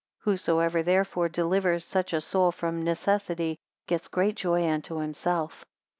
Whosoever therefore delivers such a soul from necessity, gets great joy unto himself.